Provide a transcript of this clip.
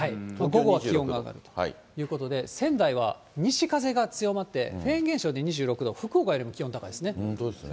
午後は気温が上がるということで、仙台は西風が強まって、フェーン現象で２６度、福岡よりも気温高いですね。